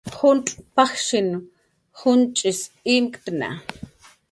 Juncx' pajshin junch'is imktna